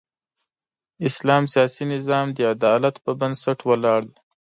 اسلام سیاسي نظام د عدالت پر بنسټ ولاړ دی.